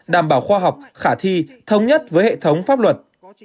đảm bảo khoa học khả thi thông nhất với hệ thống pháp luật